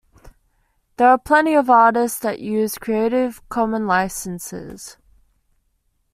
There are plenty of artists that use Creative Commons Licenses.